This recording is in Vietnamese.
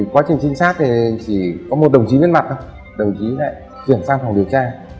quá trình xin sát thì chỉ có một đồng chí lên mặt thôi đồng chí lại chuyển sang phòng điều tra